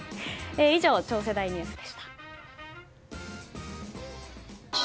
以上、超世代ニュースでした。